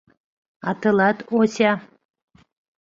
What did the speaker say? — А тылат, Ося?